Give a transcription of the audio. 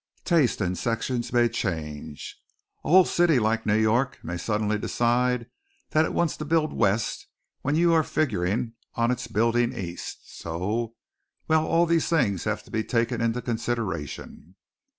Taste in sections may change. A whole city like New York may suddenly decide that it wants to build west when you are figuring on its building east. So well, all these things have to be taken into consideration."